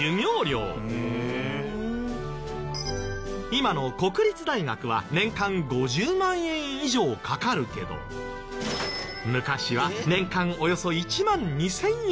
今の国立大学は年間５０万円以上かかるけど昔は年間およそ１万２０００円。